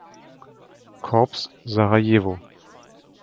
Korps Sarajevo.